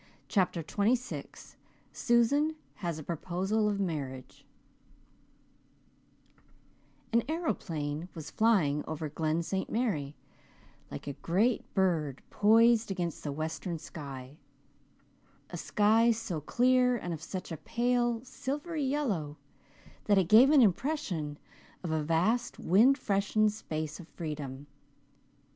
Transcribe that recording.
CHAPTER XXVI SUSAN HAS A PROPOSAL OF MARRIAGE An aeroplane was flying over Glen St. Mary, like a great bird poised against the western sky a sky so clear and of such a pale, silvery yellow, that it gave an impression of a vast, wind freshened space of freedom.